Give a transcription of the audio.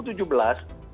meskipun bukan meja